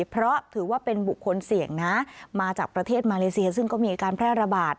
เพราะถือว่าเป็นบุคคลเสี่ยงนะมาจากประเทศมาเลเซียซึ่งก็มีการแพร่ระบาด